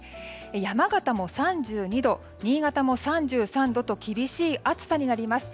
山形も３２度、新潟も３３度と厳しい暑さになります。